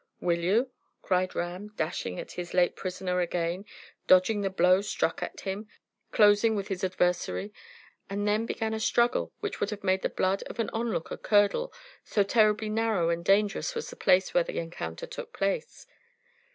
"Will you?" cried Ram, dashing at his late prisoner again, dodging the blow struck at him, closing with his adversary; and then began a struggle which would have made the blood of an onlooker curdle, so terribly narrow and dangerous was the place where the encounter took place.